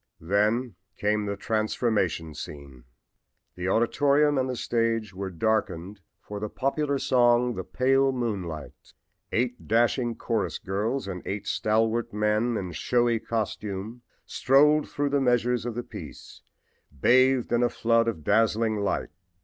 Then came the transformation scene! The auditorium and the stage were darkened for the popular song "The Pale Moonlight." Eight dashing chorus girls and eight stalwart men in showy costume strolled through the measures of the piece, bathed in a flood of dazzling light.